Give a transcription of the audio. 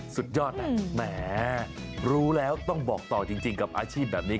สุดยอดนะแหมรู้แล้วต้องบอกต่อจริงกับอาชีพแบบนี้